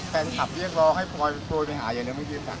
แฟนครับเรียกร้องให้โพยไปหาเหมือนกันนะครับ